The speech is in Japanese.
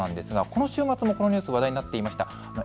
この週末もこのニュース、話題になっていました。